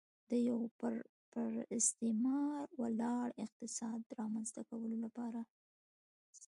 د یوه پر استثمار ولاړ اقتصاد رامنځته کولو لپاره.